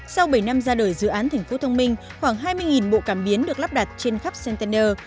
sau bảy năm ra đời dự án thành phố thông minh khoảng hai mươi bộ cảm biến được lắp đặt trên khắp container